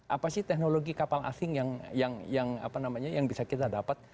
apa sih teknologi kapal asing yang bisa kita dapat